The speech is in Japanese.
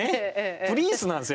プリンスなんですよ